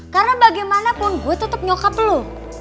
karena bagaimanapun gue tetep nyokap lo